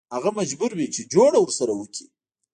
هغه مجبور وي چې جوړه ورسره وکړي.